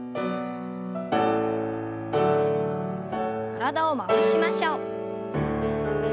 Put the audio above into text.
体を回しましょう。